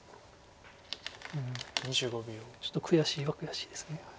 ちょっと悔しいは悔しいです。